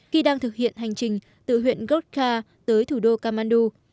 khi đang thực hiện hành trình từ huyện godca tới thủ đô kamandu